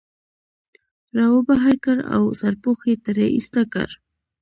را وبهر کړ او سرپوښ یې ترې ایسته کړ.